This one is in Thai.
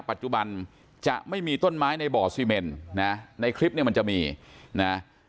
ปัจจุบันจะไม่มีต้นไม้ในบ่อซีเมนนะในคลิปเนี่ยมันจะมีนะ